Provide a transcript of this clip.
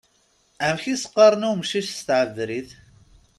Amek i s-qqaṛen i umcic s tɛebrit?